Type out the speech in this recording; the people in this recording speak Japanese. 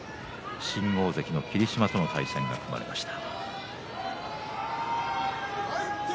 新大関の霧島との対戦が組まれました。